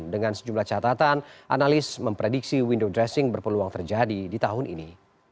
dengan sejumlah catatan analis memprediksi window dressing berpeluang terjadi di tahun ini